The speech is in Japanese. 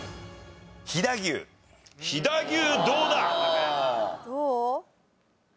飛騨牛どうだ？どう？